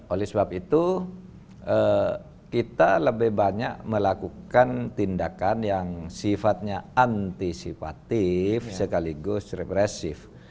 oleh sebab itu kita lebih banyak melakukan tindakan yang sifatnya antisipatif sekaligus represif